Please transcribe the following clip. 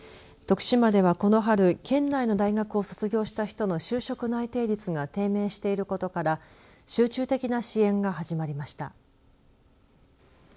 徳島では、この春県内の大学を卒業した人の就職内定率が低迷していることから集中的な支援が始まりました。